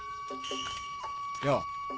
よう。